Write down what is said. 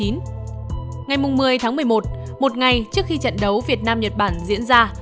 ngày một mươi tháng một mươi một một ngày trước khi trận đấu việt nam nhật bản diễn ra